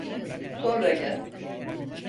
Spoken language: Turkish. Sonra gel.